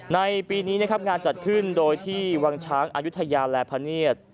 ในปีนี้นะครับงานจัดขึ้นโดยที่วังช้างอายุทยาและพเนียด